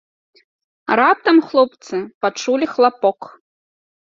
Раптам хлопцы пачулі хлапок.